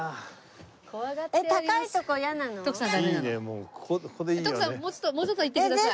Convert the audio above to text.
もうちょっともうちょっと行ってください。